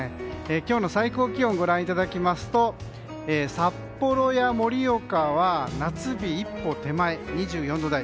今日の最高気温をご覧いただきますと札幌や盛岡や夏日一歩手前２４度台。